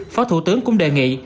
phó thủ tướng cũng đề nghị